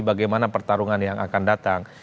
bagaimana pertarungan yang akan datang